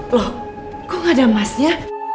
loh kok gak ada emasnya